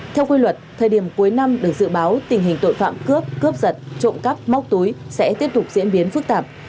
theo quy luật thời điểm cuối năm được dự báo tình hình tội phạm cướp cướp giật trộm cắp móc túi sẽ tiếp tục diễn biến phức tạp